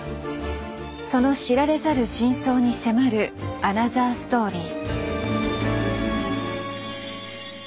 その知られざる真相に迫るアナザーストーリー。